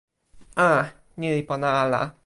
a. ni li pona ala.